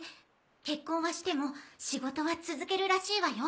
結婚はしても仕事は続けるらしいわよ。